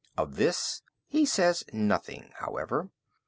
Of this he says nothing, however.